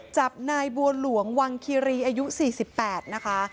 จับนายบัวหลวงวังคีรีอายุ๔๘นะคะ